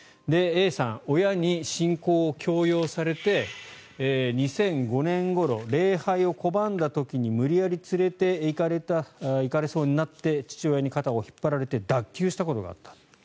Ａさん、親に信仰を強要されて２００５年ごろ礼拝を拒んだ時に無理やりつれていかれそうになって父親に肩を引っ張られて脱臼したことがあった。